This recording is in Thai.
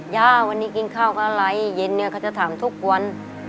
ย่าวันนี้กินข้าวกับอะไรเย็นเนี่ยเขาจะถามทุกวัน